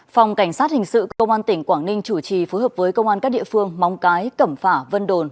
phòng cảnh sát hình sự công an tỉnh quảng ninh chủ trì phối hợp với công an các địa phương móng cái cẩm phả vân đồn